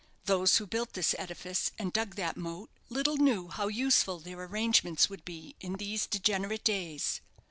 "Those who built this edifice and dug that moat, little knew how useful their arrangements would be in these degenerate days.